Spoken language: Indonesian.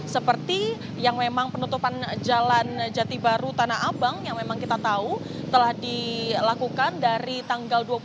seperti yang memang penutupan jalan jati baru tanah abang yang memang kita tahu telah dilakukan dari tanggal dua puluh